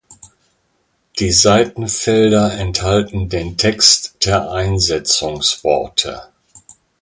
Die Seitenfelder enthalten den Text der Einsetzungsworte.